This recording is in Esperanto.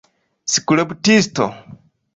La skulptisto.